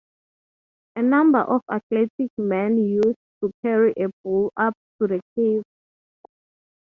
A number of athletic men used to carry a bull up to the cave.